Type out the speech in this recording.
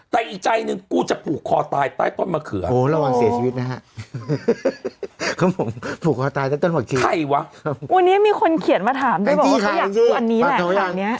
แต่ไอ้ใจนึงกูจะผู่คอตายใต้ต้นมะเขือนใครหวะวันนี้มีคนเขียนมาถามด้วยบอกว่าประลังอยากที่อันนี้แหละ